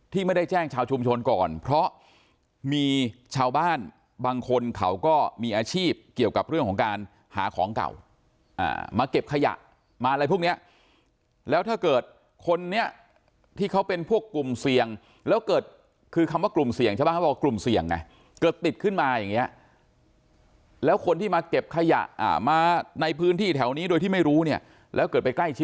ไม่ได้แจ้งชาวชุมชนก่อนเพราะมีชาวบ้านบางคนเขาก็มีอาชีพเกี่ยวกับเรื่องของการหาของเก่ามาเก็บขยะมาอะไรพวกเนี้ยแล้วถ้าเกิดคนนี้ที่เขาเป็นพวกกลุ่มเสี่ยงแล้วเกิดคือคำว่ากลุ่มเสี่ยงชาวบ้านเขาบอกกลุ่มเสี่ยงไงเกิดติดขึ้นมาอย่างนี้แล้วคนที่มาเก็บขยะมาในพื้นที่แถวนี้โดยที่ไม่รู้เนี่ยแล้วเกิดไปใกล้ชิด